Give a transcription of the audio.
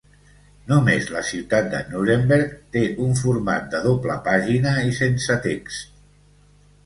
Només la ciutat de Nuremberg té un format de doble pàgina i sense text.